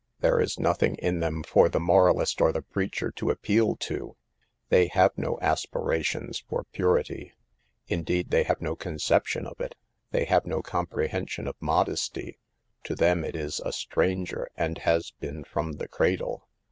There is nothing in them for the moralist or the preacher to appeal to. They have no aspirations for purity ; indeed,* they have no conception of it. They have no comprehension of modesty ; to them it is a stranger, and has been from the cradle.